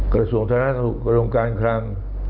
กระทรวงการคลัง